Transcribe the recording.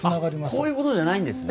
こういうことじゃないんですね。